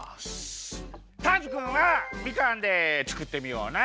ターズくんはみかんでつくってみようね。